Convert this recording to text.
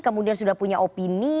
kemudian sudah punya opini